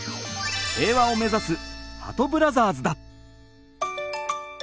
平和を目指すはとブラザーズだ！